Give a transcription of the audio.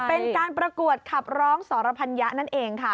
เป็นการประกวดขับร้องสรพัญญะนั่นเองค่ะ